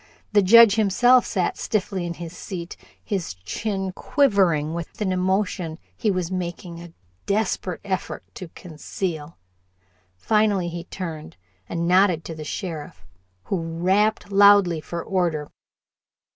The Judge himself sat stiffly in his seat, his chin quivering with an emotion he was making a desperate effort to conceal. Finally he turned and nodded to the sheriff, who rapped loudly for order.